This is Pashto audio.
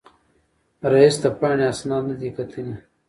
رییس د پاڼې اسناد نه دي کتلي.